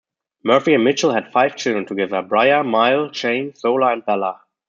Murphy and Mitchell had five children together: Bria, Myles, Shayne, Zola, and Bella.